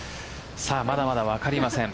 まだまだ分かりません。